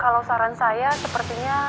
kalau saran saya sepertinya